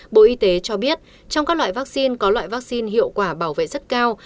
bộ y tế cho biết trong các loại vắc xin có loại vắc xin hiệu quả bảo vệ rất cao